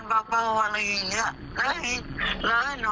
แล้วให้หนูทำงานตรงนี้มันเจ็บหรือเปล่าค่ะพี่